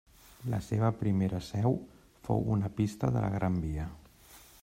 La seva primera seu fou a una pista de la Gran Via.